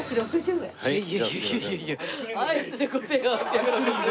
いやいやいやいやアイスで５８６０円。